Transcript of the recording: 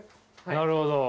なるほど。